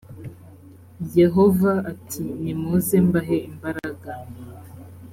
yehova ati nimuze mbahe imbaraga